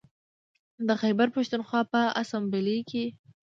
د خیبر پښتونخوا په اسامبلۍ کې